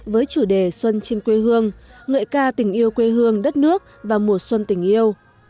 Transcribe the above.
với chủ đề xuân trên quê hương ngợi ca tình yêu quê hương đất nước và mùa xuân tình yêu